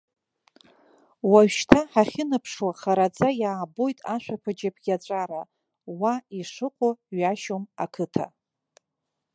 Уажәшьҭа ҳахьынаԥшуа хараӡа иаабоит ашәаԥыџьаԥ иаҵәара, уа ишыҟоу ҩашьом ақыҭа.